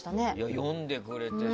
読んでくれてさ。